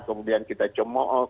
kemudian kita comoh